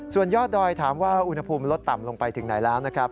ส่วนยอดดอยถามว่าอุณหภูมิลดต่ำลงไปถึงไหนแล้วนะครับ